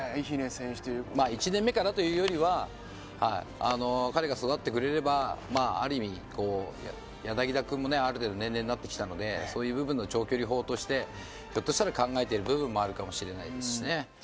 まあ、１年目からというよりは彼が育ってくれればある意味、柳田君もある程度年齢になってきたのでそういう部分での長距離砲としてひょっとしたら考えている部分もあるのかもしれないですね。